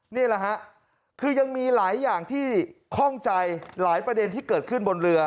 นี่แหละฮะคือยังมีหลายอย่างที่ข้องใจหลายประเด็นที่เกิดขึ้นบนเรือ